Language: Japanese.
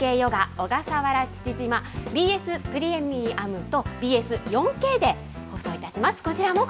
小笠原父島、ＢＳプレミアムと、ＢＳ４Ｋで放送いたします。